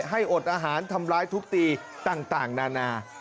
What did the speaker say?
ให้อดอาหารทำร้ายทุบตีต่างนานา